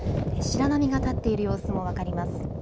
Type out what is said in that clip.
白波が立っている様子も分かります。